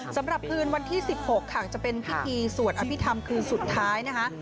สำหรับคืนวันที่๑๖ค่ะจะเป็นพิธีสวดอภิษฐรรมคืนสุดท้ายนะคะ